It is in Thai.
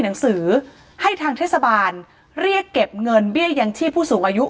หนังสือให้ทางเทศบาลเรียกเก็บเงินเบี้ยยังชีพผู้สูงอายุ